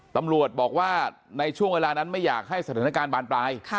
ตำรวจบอกว่าในช่วงเวลานั้นไม่อยากให้สถานการณ์บานปลาย